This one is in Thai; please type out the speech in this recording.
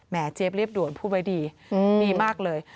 เจฟเรียบด่วนพูดไว้ดีดีมากเลย